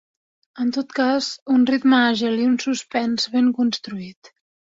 En tot cas, un ritme àgil i un suspens ben construït.